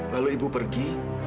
lalu ibu pergi